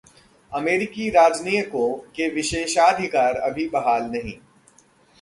अमेरिकी राजनयिकों के विशेषाधिकार अभी बहाल नहीं